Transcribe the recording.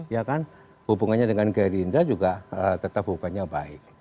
ya kan hubungannya dengan gerindra juga tetap hubungannya baik